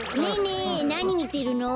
えなにみてるの？